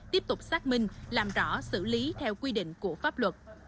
tiếp tục xác minh làm rõ xử lý theo quy định của pháp luật